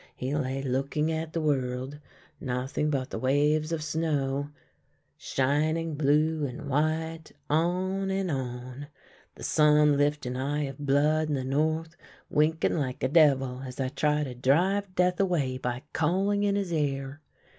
He lay looking at the world — nothing but the waves of snow, shining 1 86 THE LANE THAT HAD NO TURNING blue and white, on and on. The sun hft an eye of blood in the north, winking like a devil as I try to drive Death away by calling in his ear.